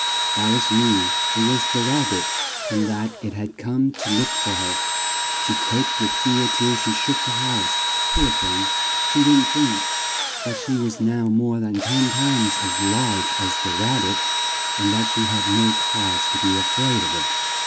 Al ice knew it was the Rab bit and that it had come to look for her. She quaked with fear till she shook the house. Poor thing! She didn't think that she was now more than ten times as large as the Rab bit, and that she had no cause to be a fraid of it.